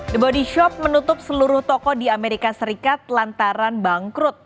the body shop menutup seluruh toko di amerika serikat lantaran bangkrut